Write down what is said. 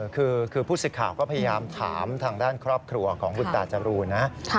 คือผู้สิทธิ์ข่าวก็พยายามถามทางด้านครอบครัวของคุณตาจรูนนะ